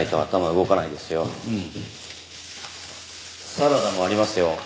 サラダもありますよ。